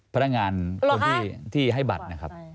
พนักงานคนที่ให้บัตรนะครับ